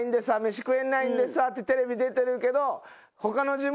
飯食えないんですわってテレビ出てるけど。